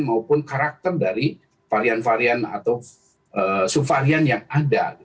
maupun karakter dari varian varian atau subvarian yang ada